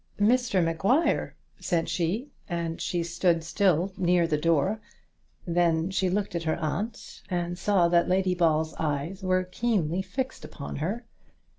"Mr Maguire!" said she, and she stood still near the door. Then she looked at her aunt, and saw that Lady Ball's eyes were keenly fixed upon her.